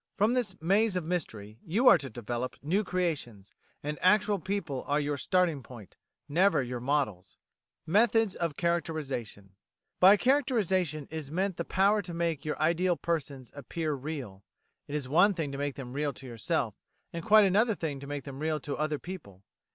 From this maze of mystery you are to develop new creations, and actual people are your starting point, never your models. Methods of Characterisation By characterisation is meant the power to make your ideal persons appear real. It is one thing to make them real to yourself, and quite another thing to make them real to other people.